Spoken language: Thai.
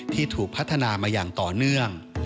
ที่ถูกพัฒนามาอย่างต่อเนื่อง